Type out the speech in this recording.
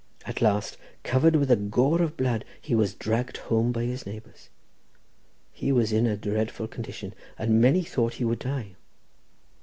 At last, covered with a gore of blood, he was dragged home by his neighbours. He was in a dreadful condition, and many thought he would die.